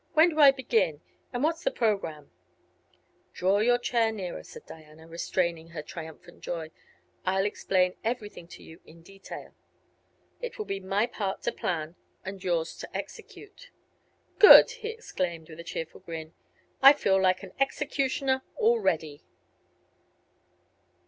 "When do I begin, and what's the program?" "Draw your chair nearer," said Diana, restraining her triumphant joy. "I'll explain everything to you in detail. It will be my part to plan, and yours to execute." "Good!" he exclaimed, with a cheerful grin. "I feel like an executioner already!"